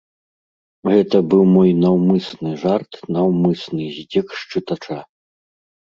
Гэта быў мой наўмысны жарт, наўмысны здзек з чытача.